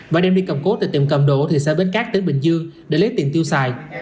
và đem đi cầm cố từ tiệm cầm độ ở thị xã bến cát đến bình dương để lấy tiền tiêu xài